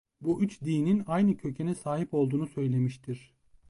Bu üç dinin aynı kökene sahip olduğunu söylemiştir.